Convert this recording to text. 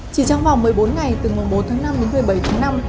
chỉ trong vòng một mươi bốn ngày từ ngày bốn tháng năm đến một mươi bảy tháng năm